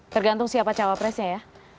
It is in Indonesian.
tergantung siapa cawapresnya ya